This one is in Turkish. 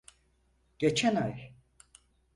Geçen ay.